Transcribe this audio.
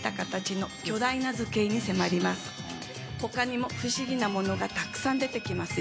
他にも不思議なものがたくさん出てきますよ。